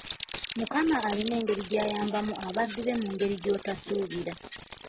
Mukama alina engeri gy'ayambamu abaddu be mu ngeri gy'otosuubira.